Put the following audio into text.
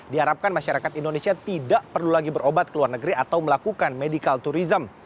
diharapkan masyarakat indonesia tidak perlu lagi berobat ke luar negeri atau melakukan medical tourism